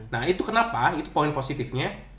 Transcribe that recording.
nah itu kenapa itu poin positifnya